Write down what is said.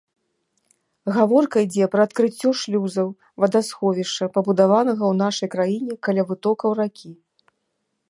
Гаворка ідзе пра адкрыццё шлюзаў вадасховішча, пабудаванага ў нашай краіне каля вытокаў ракі.